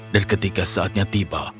dan ketika saatnya tiba